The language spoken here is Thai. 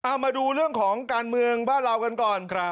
เอามาดูเรื่องของการเมืองบ้านเรากันก่อน